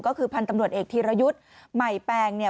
ก็คือพันธุ์ตำรวจเอกธีรยุทธ์ใหม่แปลง